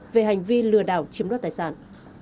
về hành vi lừa đảo chiếm đoạt tài sản